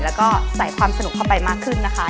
แล้วก็ใส่ความสนุกเข้าไปมากขึ้นนะคะ